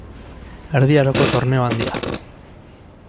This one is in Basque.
Erdi aroko torneo handia.